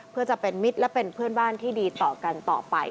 เพื่อจะเป็นมิตรและเป็นเพื่อนบ้านที่ดีต่อกันต่อไป